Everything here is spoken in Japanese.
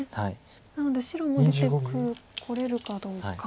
なので白も出てこれるかどうか。